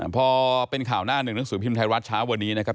พอเป็นข่าวหน้าหนึ่งนักศูนย์ภิมภายวัลรัฐชาววันนี้นะครับ